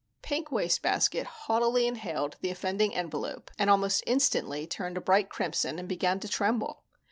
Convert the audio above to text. Pink Wastebasket haughtily inhaled the offending envelope and almost instantly turned a bright crimson and began to tremble.